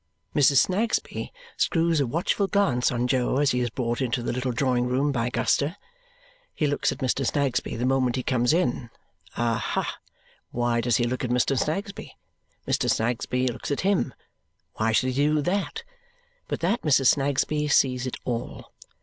Mrs. Snagsby screws a watchful glance on Jo as he is brought into the little drawing room by Guster. He looks at Mr. Snagsby the moment he comes in. Aha! Why does he look at Mr. Snagsby? Mr. Snagsby looks at him. Why should he do that, but that Mrs. Snagsby sees it all?